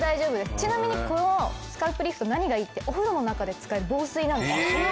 ちなみにこのスカルプリフト何がいいってお風呂の中で使える防水なんです。